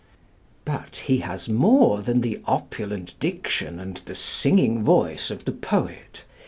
But he has more than the opulent diction and the singing voice of the poet.